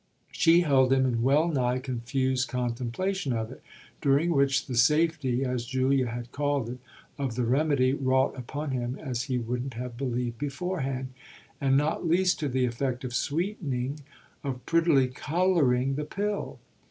She held him in well nigh confused contemplation of it, during which the safety, as Julia had called it, of the remedy wrought upon him as he wouldn't have believed beforehand, and not least to the effect of sweetening, of prettily colouring, the pill.